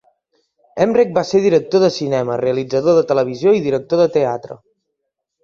Emrek va ser director de cinema, realitzador de televisió i director de teatre.